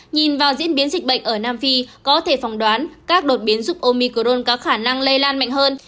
nhìn vào diễn biến dịch bệnh ở nam phi có thể phòng đoán các đột biến giúp omicron có khả năng lây lan mạnh hơn